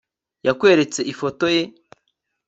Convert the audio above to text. yakweretse ifoto ye